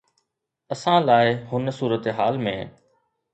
اسان لاء هن صورتحال ۾